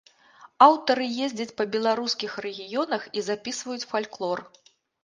Аўтары ездзяць па беларускіх рэгіёнах і запісваюць фальклор.